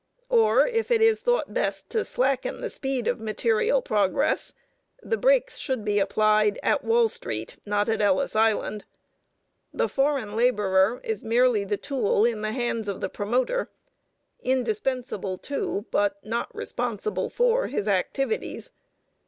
Or if it is thought best to slacken the speed of material progress, the brakes should be applied at Wall Street, not at Ellis Island. The foreign laborer is merely the tool in the hands of the promoter, indispensable to, but not responsible for, his activities.